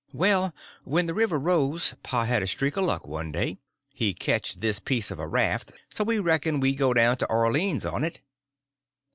Well, when the river rose pa had a streak of luck one day; he ketched this piece of a raft; so we reckoned we'd go down to Orleans on it.